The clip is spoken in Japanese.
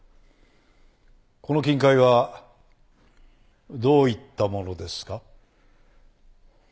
この金塊はどういったものですか？